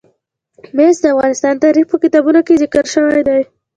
مس د افغان تاریخ په کتابونو کې ذکر شوی دي.